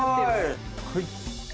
はい。